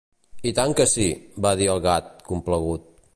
"I tant que sí, va dir el Gat, complagut.